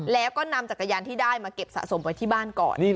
แล้วก็นำจักรยานที่ได้มาเก็บสะสมไว้ที่บ้านก่อน